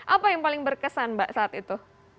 apa yang paling berkesan mbak saat itu